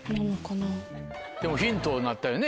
でもヒントになったよね